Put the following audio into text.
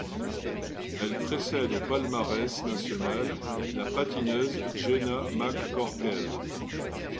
Elle précède au palmarès national la patineuse Jenna McCorkell.